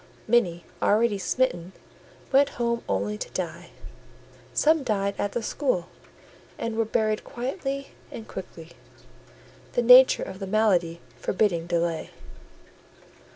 Many, already smitten, went home only to die: some died at the school, and were buried quietly and quickly, the nature of the malady forbidding delay.